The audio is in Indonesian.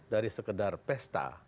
dari sekedar pesta